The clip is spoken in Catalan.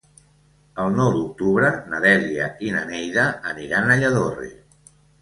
El nou d'octubre na Dèlia i na Neida aniran a Lladorre.